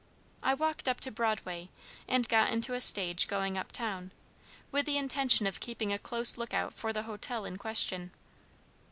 I walked up to Broadway, and got into a stage going up town, with the intention of keeping a close look out for the hotel in question.